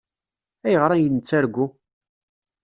Ayɣer ay nettargu?